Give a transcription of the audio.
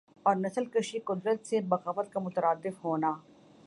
اور نسل کشی قدرت سے بغاوت کا مترادف ہونا